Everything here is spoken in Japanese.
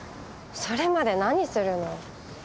それまで何するの？